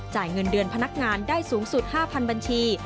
เงินเดือนพนักงานได้สูงสุด๕๐๐บัญชี